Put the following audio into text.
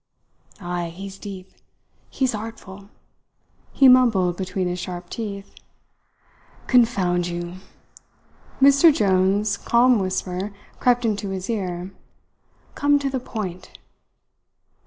"Ay, he's deep he's artful," he mumbled between his sharp teeth. "Confound you!" Mr. Jones's calm whisper crept into his ear. "Come to the point."